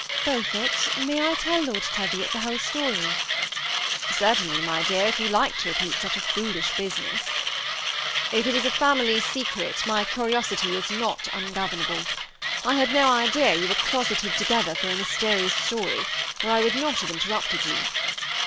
Beaufort, may I tell Lord Teviot the whole story?" ^^ Certainly, my dear, if you like to repeat such a foolish business." " If it is a family secret, my curiosity is not ungov ernable ; I had no idea you were closeted together for a mysterious story, or I would not have interrupted you."